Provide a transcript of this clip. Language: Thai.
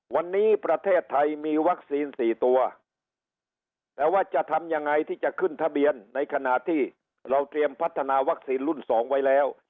วันนี้ประเทศไทยมีวัคซีน๔ตัวแต่ว่าจะทำยังไงที่จะขึ้นทะเบียนในขณะที่เราเตรียมพัฒนาวัคซีนรุ่นสองไว้แล้ว